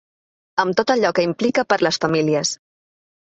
Amb tot allò que implica per a les famílies.